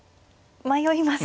迷いますね。